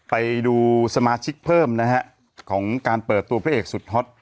ไปดูสมาชิกเพิ่มนะฮะของการเปิดตัวพระเอกสุดฮอต